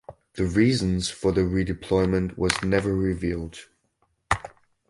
The reasons for the redeployment was never revealed.